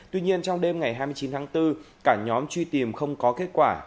tuy nhiên trong đêm ngày hai mươi chín tháng bốn cả nhóm truy tìm không có kết quả